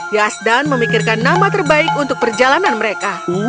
yazdan memikirkan nama terbaik untuk perjalanan mereka